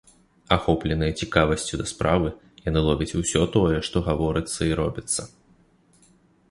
Ахопленыя цікавасцю да справы, яны ловяць усё тое, што гаворыцца і робіцца.